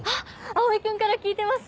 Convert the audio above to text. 蒼君から聞いてます